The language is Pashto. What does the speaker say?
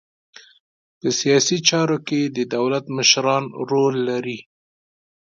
په سیاسي چارو کې د دولت مشران رول لري